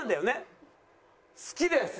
好きです！